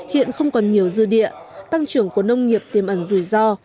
hiện không còn nhiều dư địa tăng trưởng của nông nghiệp tiềm ẩn rủi ro